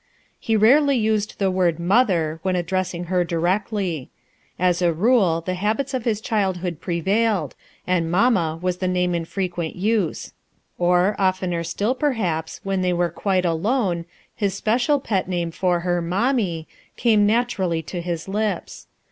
He rarely used the word "mother" when ad dressing her directly. As a rule the habits of his childhood prevailed, and "mamma" was the name in frequent use ; or, of tener still per haps, when they were quite alone, his special pet name for her, "momnue, " came naturally to Iiis lips.